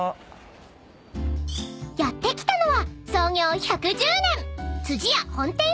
［やって来たのは創業１１０年］